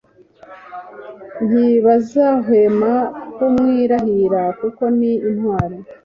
Ntibazahwema kumwirahira kuko ni intwari